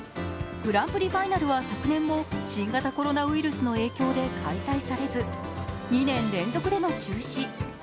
グランプリファイナルは昨年も新型コロナウイルスの影響で開催されず２年連続での中止。